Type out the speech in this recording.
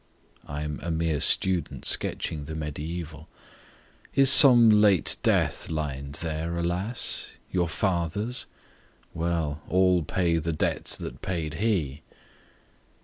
— (I'm a mere student sketching the mediaeval) Is some late death lined there, alas?— Your father's? ... Well, all pay the debt that paid he!"